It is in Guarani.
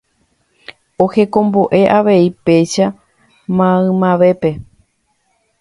Ehekombo'e avei péicha maymavépe